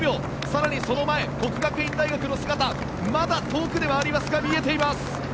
更にその前、國學院大學の姿まだ遠くではありますが見えています。